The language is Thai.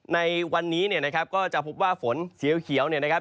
ในวันนี้นะครับก็จะพบว่าฝนเสียวเขียวนะครับ